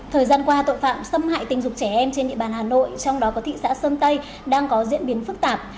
thời gian qua tội phạm xâm hại tình dục trẻ em trên địa bàn hà nội trong đó có thị xã sơn tây đang có diễn biến phức tạp